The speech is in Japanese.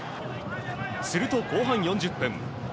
すると後半４０分。